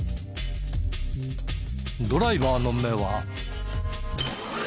ドライバーの目は。